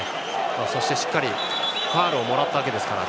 そしてしっかりファウルをもらったわけですからね。